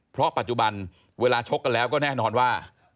เพราะปัจจุบันเวลาชกกันแล้วก็แน่นอนว่า